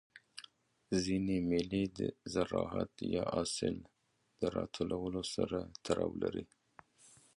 ځيني مېلې د زراعت یا حاصل د راټولولو سره تړاو لري.